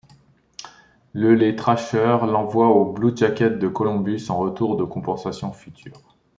Le les Thrashers l'envoi aux Blue Jackets de Columbus en retour de compensation future.